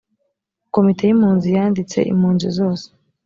komite y’impunzi yanditse impunzi zose